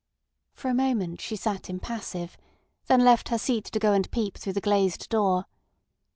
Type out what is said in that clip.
For a moment she sat impassive, then left her seat to go and peep through the glazed door.